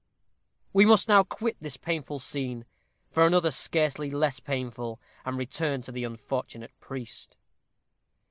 We must now quit this painful scene for another scarcely less painful, and return to the unfortunate priest.